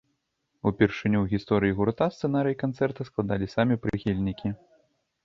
Упершыню ў гісторыі гурта сцэнарый канцэрта складалі самі прыхільнікі.